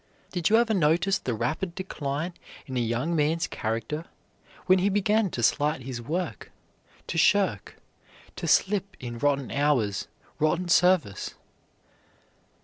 Did you ever notice the rapid decline in a young man's character when he began to slight his work, to shirk, to slip in rotten hours, rotten service?